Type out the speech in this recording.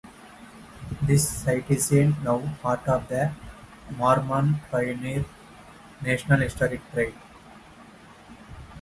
This site is now part of the "Mormon Pioneer National Historic Trail".